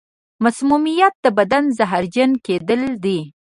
مسمومیت د بدن زهرجن کېدل دي.